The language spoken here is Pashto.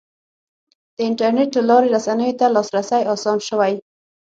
د انټرنیټ له لارې رسنیو ته لاسرسی اسان شوی.